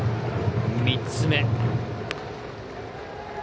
３つ目。